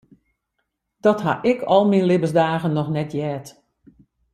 Dat ha ik al myn libbensdagen noch net heard.